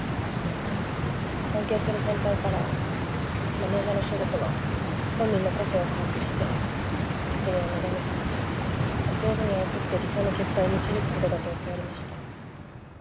尊敬する先輩からマネジャーの仕事は本人の個性を把握して時にはなだめすかし上手に操って理想の結果へ導くことだと教わりました。